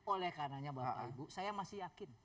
oleh karena nya bapak ibu saya masih yakin